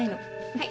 はい。